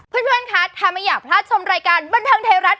เพื่อนคะถ้าไม่อยากพลาดชมรายการบันเทิงไทยรัฐ